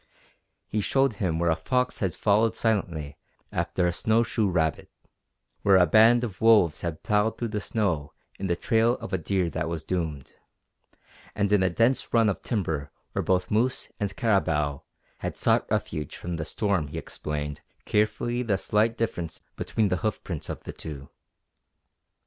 He showed him where a fox had followed silently after a snow shoe rabbit; where a band of wolves had ploughed through the snow in the trail of a deer that was doomed, and in a dense run of timber where both moose and caribou had sought refuge from the storm he explained carefully the slight difference between the hoofprints of the two.